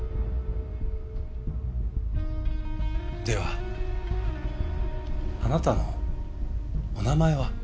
ではあなたのお名前は？